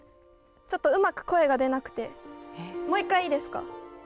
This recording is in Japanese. ちょっとうまく声が出なくてもう１回いいですか？